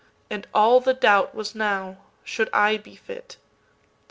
And all the doubt was now—should I be fit?